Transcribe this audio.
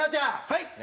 はい！